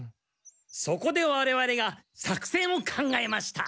そこでわれわれが作戦を考えました。